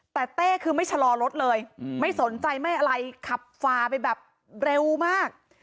แต่เต้คือไม่ชะลอรถเลยไม่สนใจไม่อะไรขับฝ่าไปแบบเร็วมาก